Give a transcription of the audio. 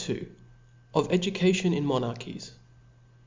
Of Education in Monarchies.